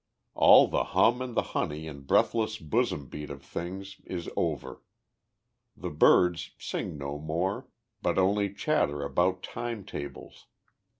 All the hum and the honey and breathless bosom beat of things is over. The birds sing no more, but only chatter about time tables.